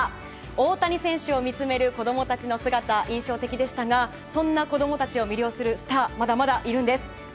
大谷選手を見つめる子供たちの姿印象的でしたがそんな子供たちを魅了するスターまだまだいるんです。